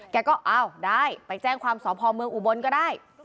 ก็อ้าวได้ไปแจ้งความสพเมืองอุบลก็ได้